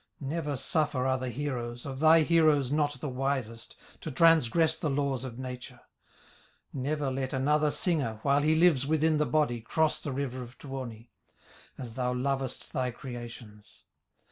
Never suffer other heroes, Of thy heroes not the wisest, To transgress the laws of nature; Never let another singer, While he lives within the body, Cross the river of Tuoni, As thou lovest thy creations.